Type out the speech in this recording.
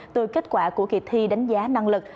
từ kết quả của kỳ thi đánh giá năng lực